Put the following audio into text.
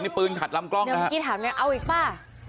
นี่ปืนขัดลำกล้องนะครับเดี๋ยวเมื่อกี้ถามเนี้ยเอาอีกป่ะ